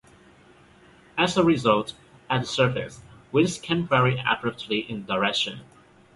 As a result, at the surface, winds can vary abruptly in direction.